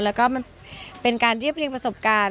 แล้วก็มันเป็นการเรียบเรียงประสบการณ์